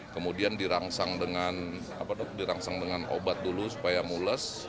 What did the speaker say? kemudian dirangsang dengan obat dulu supaya mules